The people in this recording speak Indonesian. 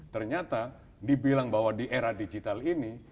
ternyata dibilang bahwa di era digital ini